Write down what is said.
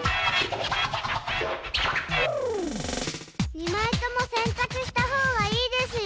２まいとも洗濯したほうがいいですよ。